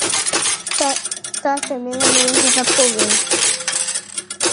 Тоа кај мене не може да помине!